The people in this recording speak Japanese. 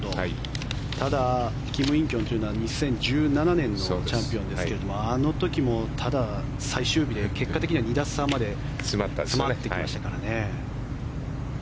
ただ、キム・インキョンというのは２０１７年のチャンピオンですけれどもあの時もただ、最終日で結果的には２打差まで詰まってきましたからね。